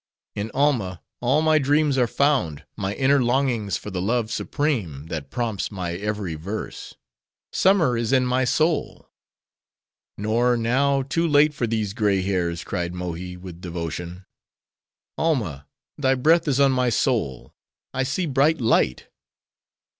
"In Alma all my dreams are found, my inner longings for the Love supreme, that prompts my every verse. Summer is in my soul." "Nor now, too late for these gray hairs," cried Mohi, with devotion. "Alma, thy breath is on my soul. I see bright light."